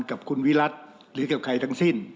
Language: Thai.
กับคุณวิรัติหรือกับใครทั้งสิ้น